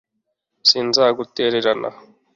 sinzagutererana